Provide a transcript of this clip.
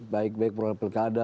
baik baik program pilkada